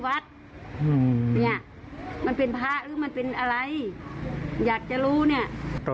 ภาคหรือมันเป็นอะไรอยากจะรู้เนี่ย